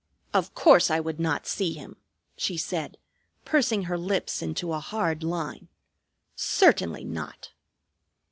"Of course I would not see him," she said, pursing her lips into a hard line. "Certainly not!"